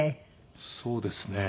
そうですね。